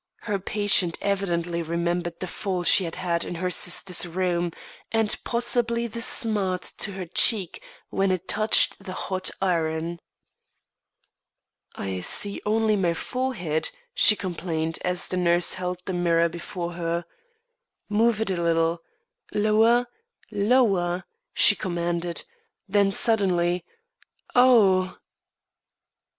Her patient evidently remembered the fall she had had in her sister's room, and possibly the smart to her cheek when it touched the hot iron. "I see only my forehead," she complained, as the nurse held the mirror before her. "Move it a little. Lower lower," she commanded. Then suddenly "Oh!"